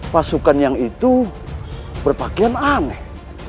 pasukan yang itu berpakaian aneh